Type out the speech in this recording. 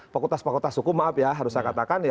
fakultas fakultas hukum maaf ya harus saya katakan